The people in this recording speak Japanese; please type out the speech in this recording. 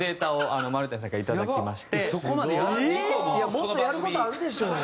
もっとやる事あるでしょう。